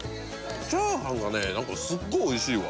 チャーハンがね何かすっごいおいしいわ